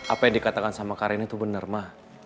apa yang dikatakan sama karin itu bener ma